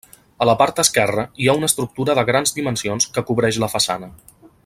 A la part esquerra, hi ha una estructura de grans dimensions que cobreix la façana.